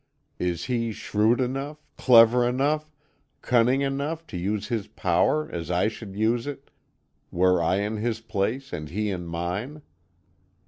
Is he shrewd enough, clever enough, cunning enough, to use his power as I should use it were I in his place, and he in mine?